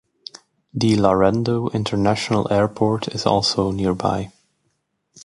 The Laredo International Airport is also nearby.